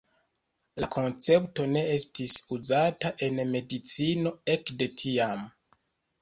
La koncepto ne estis uzata en medicino ekde tiam.